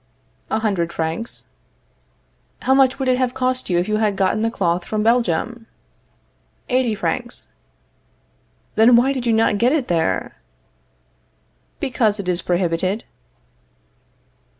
A hundred francs. How much would it have cost you if you had gotten the cloth from Belgium? Eighty francs. Then why did you not get it there? Because it is prohibited.